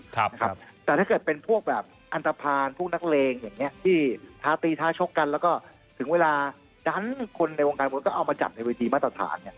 แต่ถ้าเกิดเป็นพวกอัลทธาพารพวกนักเลงที่ท้าตีท้าชกกันแล้วก็ถึงเวลาดันคนในวงการมนตร์ก็เอามาจัดในวันนี้มาตรฐาน